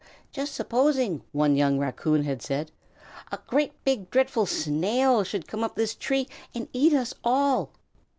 "Just supposing," one young Raccoon had said, "a great big, dreadful Snail should come up this tree and eat us all!"